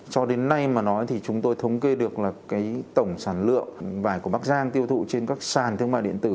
cho đến nay mà nói thì chúng tôi thống kê được tổng sản lượng vài của bác giang tiêu thụ trên các sản thương mại điện tử